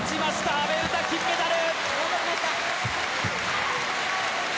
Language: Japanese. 阿部詩、金メダル！